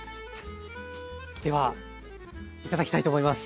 では頂きたいと思います。